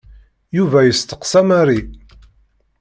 Yuba yesteqsa Mary.